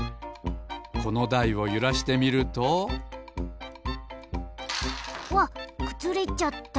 このだいをゆらしてみるとわっくずれちゃった。